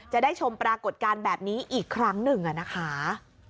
จะได้ชมปรากฏการณ์แบบนี้อีกครั้งหนึ่งนะคะ